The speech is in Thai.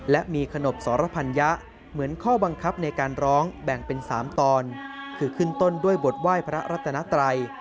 และมีขนบสรพัญญะเหมือนข้อบังคับในการร้องแบ่งเป็น๓ตอนคือขึ้นต้นด้วยบทไหว้พระรัตนาไตร